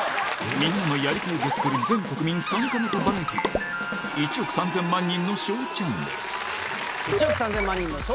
みんなの「やりたい」で作る全国民参加型バラエティー『１億３０００万人のＳＨＯＷチャンネル』！